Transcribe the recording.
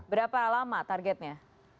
berapa lama targetnya